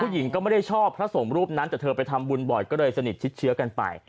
หญิงก็ไม่ได้ชอบพระสงฆ์รูปนั้นแต่เธอไปทำบุญบ่อยก็เลยสนิทชิดเชื้อกันไป